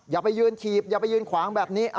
อย่าไปยืนถีบอย่าไปยืนขวางแบบนี้